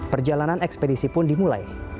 perjalanan ekspedisi pun dimulai